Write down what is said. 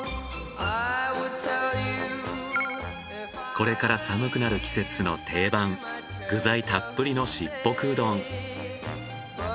これから寒くなる季節の定番具材たっぷりのしっぽくうどん。